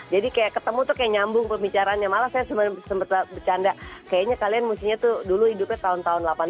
jadi kayak ketemu tuh kayak nyambung pembicaranya malah saya sempet bercanda kayaknya kalian musiknya tuh dulu hidupnya tahun tahun delapan puluh an